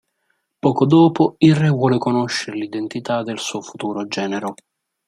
Poco dopo, il re vuole conoscere l'identità del suo futuro genero.